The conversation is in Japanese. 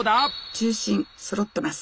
中心そろってます。